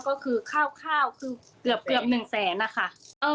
ก็คือข้าวคือเกือบหนึ่งแสนอะค่ะ